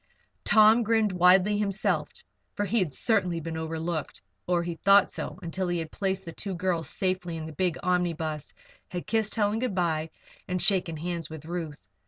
Tom grinned widely himself, for he had certainly been overlooked. Or, he thought so until he had placed the two girls safely in the big omnibus, had kissed Helen good bye, and shaken hands with Ruth.